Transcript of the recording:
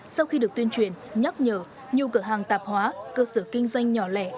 sau khi được tuyên truyền nhắc nhở nhiều cửa hàng tạp hóa cơ sở kinh doanh nhỏ lẻ